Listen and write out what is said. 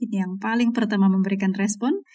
ini yang paling pertama memberikan respon